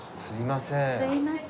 すいません。